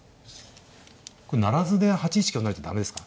これ不成で８一香成と駄目ですか？